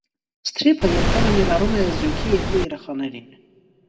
Սթրիփը երբեմն ներառում է այս զույգի երկու երեխաներին։